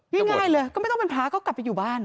ง่ายเลยก็ไม่ต้องเป็นพระก็กลับไปอยู่บ้าน